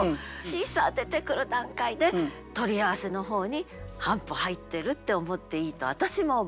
「シーサー」出てくる段階で取り合わせの方に半歩入ってるって思っていいと私も思う。